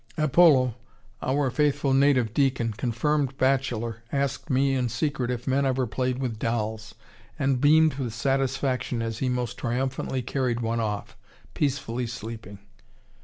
Apolo, our faithful native deacon confirmed bachelor asked me in secret if men ever played with dolls, and beamed with satisfaction as he most triumphantly carried one off, peacefully sleeping.